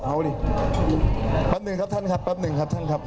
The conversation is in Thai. แบบหนึ่งครับท่านครับครับท่านครับ